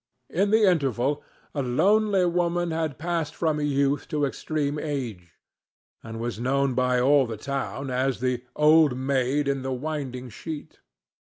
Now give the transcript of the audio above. In the interval a lonely woman had passed from youth to extreme age, and was known by all the town as the "Old Maid in the Winding Sheet."